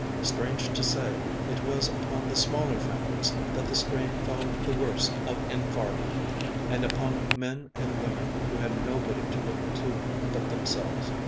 Strange to say, it was upon the smaller families that the strain fell the worst in Farley, and upon men and women who had nobody to look to but themselves.